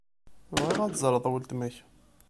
Bɣiɣ ad ẓreɣ weltma-k.